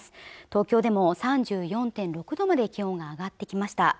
東京でも３４．６度まで気温が上がってきました